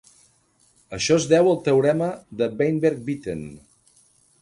Això es deu al teorema de Weinberg-Witten.